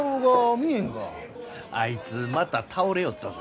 あいつまた倒れよったぞ。